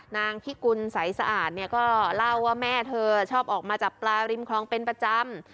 นางพิกุลใสสะอาดเนี่ยก็เล่าว่าแม่เธอชอบออกมาจับปลาริมคลองเป็นประจำ